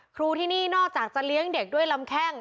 ครูที่นี่นอกจากจะเลี้ยงเด็กด้วยลำแข้ง